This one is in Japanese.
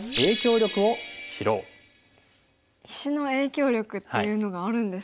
石の影響力っていうのがあるんですか？